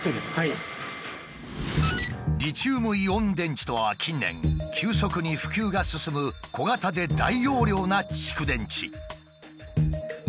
リチウムイオン電池とは近年急速に普及が進む小型で大容量な蓄電池。